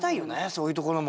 そういうところも。